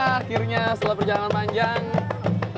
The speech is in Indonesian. akhirnya setelah perjalanan panjang